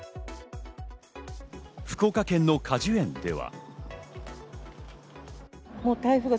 福岡県の果樹園では。